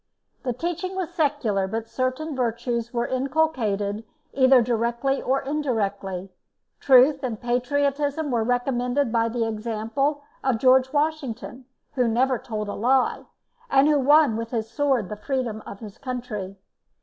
The teaching was secular, but certain virtues were inculcated either directly or indirectly. Truth and patriotism were recommended by the example of George Washington, who never told a lie, and who won with his sword the freedom of his country.